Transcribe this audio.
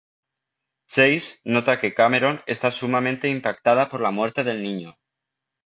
Chase nota que Cameron está sumamente impactada por la muerte del niño.